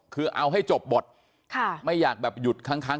ไม่อยากหยุดครั้งคลาครึ่งกลาง